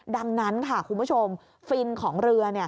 ดังนั้นค่ะคุณผู้ชมฟินของเรือ